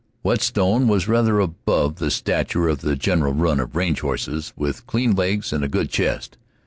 Whetstone was rather above the stature of the general run of range horses, with clean legs and a good chest.